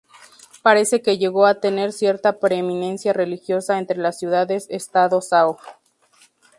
Parece que llegó a tener cierta preeminencia religiosa entre las ciudades-estado sao.